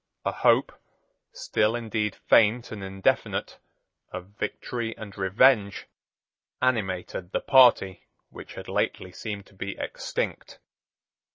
A hope, still indeed faint and indefinite, of victory and revenge, animated the party which had lately seemed to be extinct.